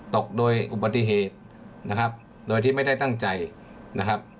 ตกโดยอุบัติเหตุนะครับโดยที่ไม่ได้ตั้งใจนะครับ